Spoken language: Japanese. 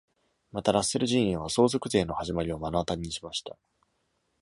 また、ラッセル陣営は相続税の始まりを目の当たりにしました。